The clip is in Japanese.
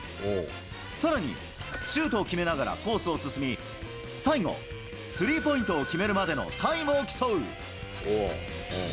さらに、シュートを決めながらコースを進み、最後、スリーポイントを決めるまでのタイムを競う。